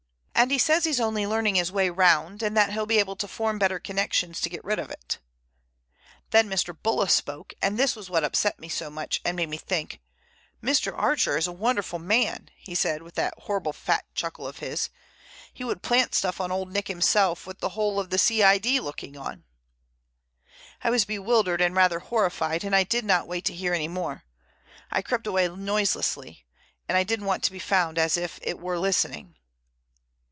And he says he's only learning his way round, and that he'll be able to form better connections to get rid of it.' Then Mr. Bulla spoke, and this was what upset me so much and made me think, 'Mr. Archer is a wonderful man,' he said with that horrible fat chuckle of his, 'he would plant stuff on Old Nick himself with the whole of the C.I.D. looking on.' I was bewildered and rather horrified, and I did not wait to hear any more. I crept away noiselessly, and I didn't want to be found as it were listening.